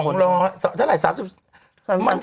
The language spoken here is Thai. กล่องร้อยจะไหล่๓๑พฤษภาคม